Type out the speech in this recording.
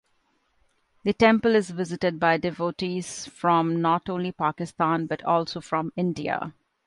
The temple is visited by devotees from not only Pakistan but also from India.